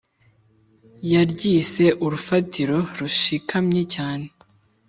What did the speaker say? yaryise ‘urufatiro rushikamye cyane